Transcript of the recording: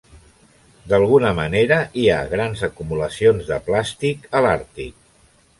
D'alguna manera hi ha grans acumulacions de plàstic a l'Àrtic.